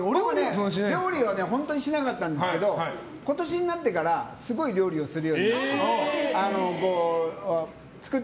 料理は本当しなかったんですけど今年になってからすごい料理をするようになって。